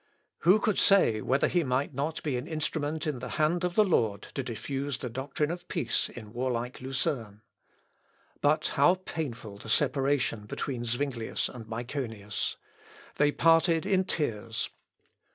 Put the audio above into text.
Who could say whether he might not be an instrument in the hand of the Lord to diffuse the doctrine of peace in warlike Lucerne? But how painful the separation between Zuinglius and Myconius! They parted in tears.